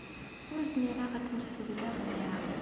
Ur zmireɣ ad kem-ssudneɣ imir-a.